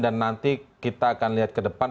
dan nanti kita akan lihat ke depan